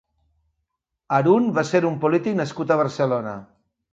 Harun va ser un polític nascut a Barcelona.